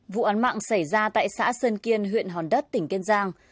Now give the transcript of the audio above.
vụ án mạng xảy ra tại xã sơn kiên huyện hòn đất tỉnh kiên giang